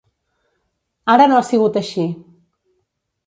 Ara no ha sigut així.